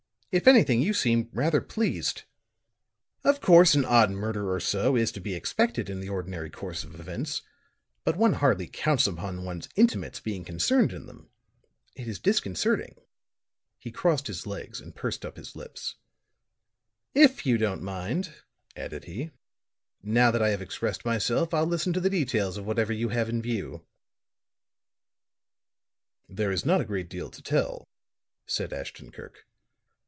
If anything, you seem rather pleased. Of course, an odd murder or so is to be expected in the ordinary course of events; but one hardly counts upon one's intimates being concerned in them. It is disconcerting." He crossed his legs and pursed up his lips. "If you don't mind," added he, "now that I have expressed myself, I'll listen to the details of whatever you have in view." "There is not a great deal to tell," said Ashton Kirk.